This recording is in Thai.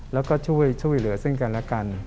แล้วก็ช่วยเหลือซึ่งกันและกัน